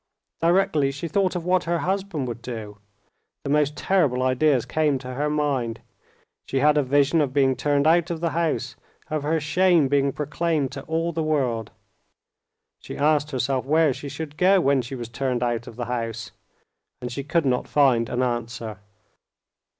Directly she thought of what her husband would do, the most terrible ideas came to her mind. She had a vision of being turned out of the house, of her shame being proclaimed to all the world. She asked herself where she should go when she was turned out of the house, and she could not find an answer.